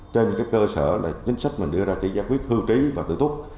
trên cơ sở là chính sách mình đưa ra chỉ giải quyết hưu trí và tử tuất